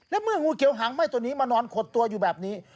และเมื่องูเขียวหางไหม้ตัวนี้มานอนขดตัวอยู่แบบนี้